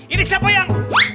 ini siapa yang